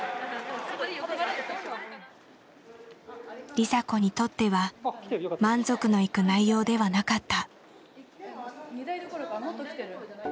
梨紗子にとっては満足のいく内容ではなかった。